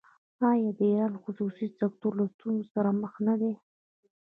آیا د ایران خصوصي سکتور له ستونزو سره مخ نه دی؟